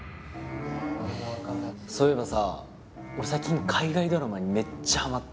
そういえばさ俺最近海外ドラマにめっちゃハマってて。